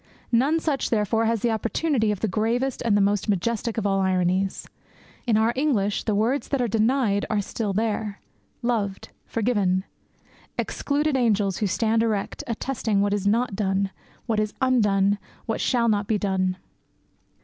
None such, therefore, has the opportunity of the gravest and the most majestic of all ironies. In our English, the words that are denied are still there "loved," "forgiven": excluded angels, who stand erect, attesting what is not done, what is undone, what shall not be done.